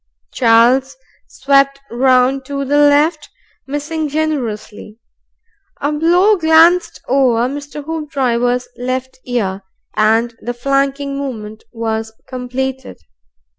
Charles swept round to the left, missing generously. A blow glanced over Mr. Hoopdriver's left ear, and the flanking movement was completed.